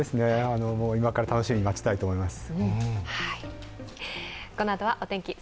今から楽しみに待ちたいと思います。